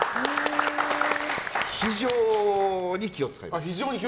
非常に気を使います。